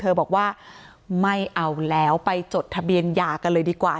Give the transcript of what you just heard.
บอกว่าไม่เอาแล้วไปจดทะเบียนหย่ากันเลยดีกว่า